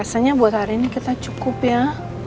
biasanya buat hari ini kita cukup ya